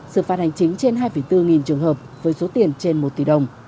xử phạt hành chính trên hai bốn nghìn trường hợp với số tiền trên một tỷ đồng